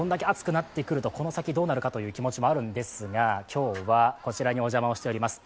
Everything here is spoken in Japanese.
更にこれだけ暑くなってくるとこの先どうなるかという気持ちもあるんですが今日はこちらにお邪魔をしております。